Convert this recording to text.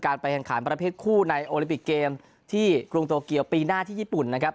ไปแข่งขันประเภทคู่ในโอลิปิกเกมที่กรุงโตเกียวปีหน้าที่ญี่ปุ่นนะครับ